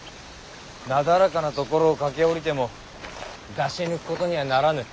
なだらかな所を駆け下りても出し抜くことにはならぬ。